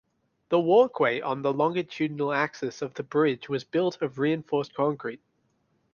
The walkway on the longitudinal axis of the bridge was built of reinforced concrete.